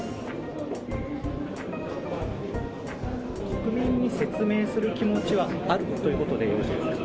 国民に説明する気持ちはあるということでよろしいですか？